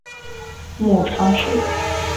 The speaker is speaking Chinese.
母常氏。